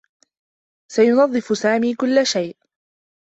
سينظّف سامي كلّ شيء.